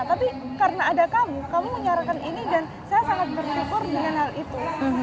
tapi karena ada kamu kamu menyarankan ini dan saya sangat bersyukur dengan hal itu